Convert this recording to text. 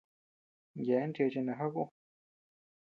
Yeabean cheche najaʼa kú.